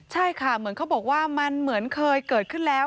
ใช่ค่ะเหมือนเขาบอกว่ามันเหมือนเคยเกิดขึ้นแล้ว